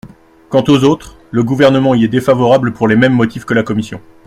Quant aux autres, le Gouvernement y est défavorable pour les mêmes motifs que la commission.